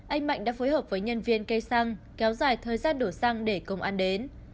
anh mạnh đã phối hợp với nhân viên cây xăng kéo dài thời gian đổ xăng để công ăn đến